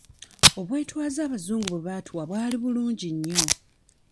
Obwetwaze abazungu bwe baatuwa bwali bulungi nnyo.